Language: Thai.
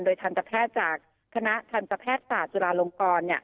โดยทันทะแพทย์จากคณะทันทะแพทย์ศาสตร์จุฬาลงกร